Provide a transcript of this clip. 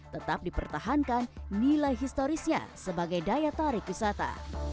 tetap dipertahankan nilai historisnya sebagai daya tarik wisata